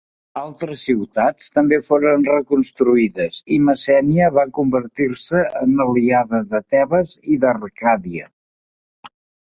Altres ciutats també foren reconstruïdes i Messènia va convertir-se en aliada de Tebes i d'Arcàdia.